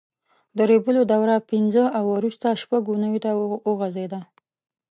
د ریبلو دوره پینځه او وروسته شپږ اوونیو ته وغځېده.